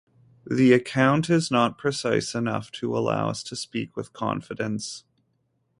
The account is not precise enough to allow us to speak with confidence.